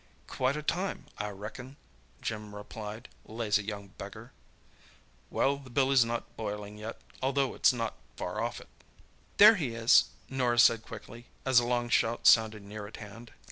"Quite time, I reckon," Jim replied. "Lazy young beggar!" "Well, the billy's not boiling yet, although it's not far off it." "There he is," Norah said quickly, as a long shout sounded near at hand.